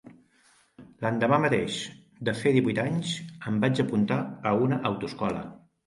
L'endemà mateix de fer divuit anys em vaig apuntar a una autoescola.